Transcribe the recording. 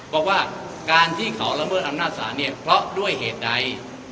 บอกว่าการที่เขาละเมิดอำนาจศาลเนี่ยเพราะด้วยเหตุใด